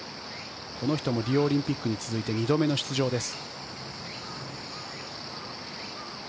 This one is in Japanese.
この人もリオオリンピックに続いて２度目の出場です。